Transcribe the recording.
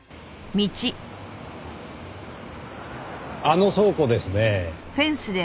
あの倉庫ですねぇ。